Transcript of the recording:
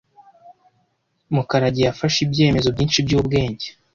Mukarage yafashe ibyemezo byinshi byubwenge.